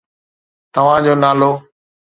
توهان جو نالو؟